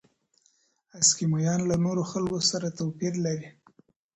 اسکیمویان له نورو خلکو سره توپیر لري.